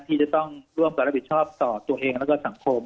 ที่จะต้องร่วมกับรับผิดชอบต่อตัวเองแล้วก็สังคม